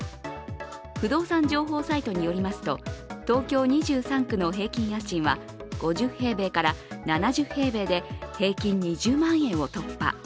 不動産情報サイトによりますと東京２３区の平均家賃は５０平米から７０平米で平均２０万円を突破。